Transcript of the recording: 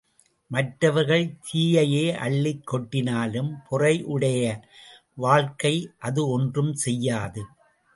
மற்றவர்கள் தீயையே அள்ளிக் கொட்டினாலும் பொறையுடைய வாழ்க்கையை அது ஒன்றும் செய்யாது!